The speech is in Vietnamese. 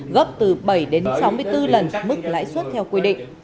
gấp từ bảy đến sáu mươi bốn lần mức lãi suất theo quy định